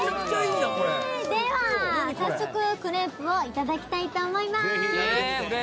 では早速、クレープをいただきたいと思います。